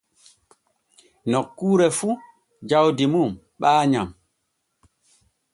Nokkuure fu jawdi mum ɓaayam.